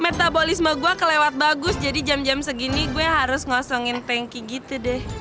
metabolisme gue kelewat bagus jadi jam jam segini gue harus ngosongin tanki gitu deh